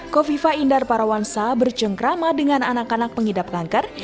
kofifa indar parawansa bercengkrama dengan anak anak pengidap kanker